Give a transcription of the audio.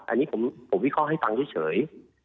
อันนี้ผมวิ่งให้ฟังเฉย